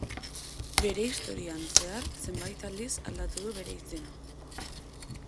Bere historian zehar zenbait aldiz aldatu du bere izena.